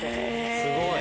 すごい。